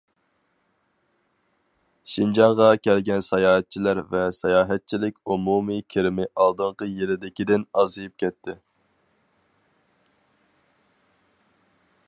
شىنجاڭغا كەلگەن ساياھەتچىلەر ۋە ساياھەتچىلىك ئومۇمىي كىرىمى ئالدىنقى يىلىدىكىدىن ئازىيىپ كەتتى.